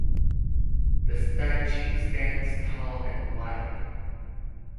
The statue stands tall and wide.